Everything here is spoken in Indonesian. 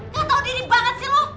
gak tau diri banget sih lo